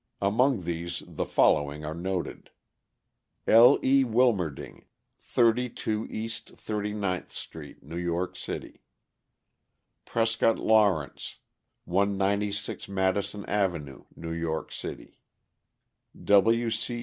Among these the following are noted : L. E. Wilmerding, 32 East Thirty ninth street, New York City; Prescott Lawrence, 196 Madison avenue, New York City; W. C.